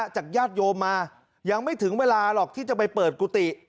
ญาติโยมมายังไม่ถึงเวลาหรอกที่จะไปเปิดกุฏิ